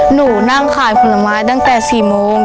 หนูนั่งขายผลไม้ตั้งแต่๔โมง